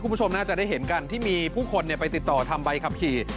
คุณผู้ชมน่าจะได้เห็นกันที่มีผู้คนไปติดต่อทำใบขับขี่